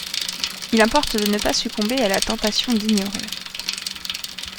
Il importe de ne pas succomber à la tentation d'ignorer.